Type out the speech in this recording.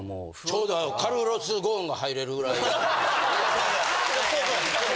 ちょうどカルロス・ゴーンが入れるぐらい。